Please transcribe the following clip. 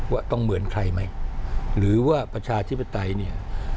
ว่าต้องเหมือนใครไหมหรือว่าประชาธิปไตยเนี่ย